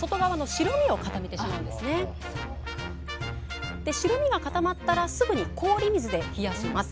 白身が固まったらすぐに氷水で冷やします。